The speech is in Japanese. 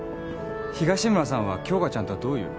東村さんは杏花ちゃんとはどういう？